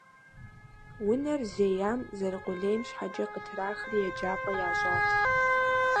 Унэр зеям, зэрыкъулейм щхьэкӏэ, къытрахри еджапӏэ ящӏат.